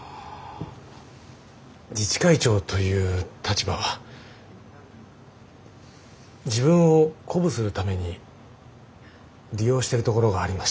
自治会長という立場は自分を鼓舞するために利用してるところがありました。